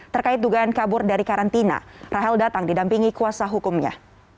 terkait dugaan kabur dari karantina rahel datang didampingi kuasa hukumnya